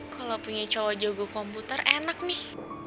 kalau punya cowok jago komputer enak nih